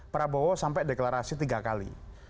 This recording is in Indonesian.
prabowo sampai deklarasi tiga kali